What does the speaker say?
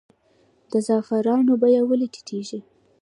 د زعفرانو بیه ولې ټیټیږي؟